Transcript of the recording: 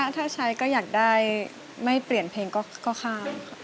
ถ้าใช้ก็อยากได้ไม่เปลี่ยนเพลงก็ข้ามค่ะ